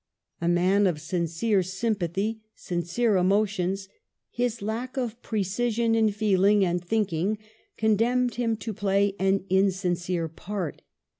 A man of sincere sympathy, sincere emotions, his lack of precision in feeling and thinking condemned him to play an insincere part.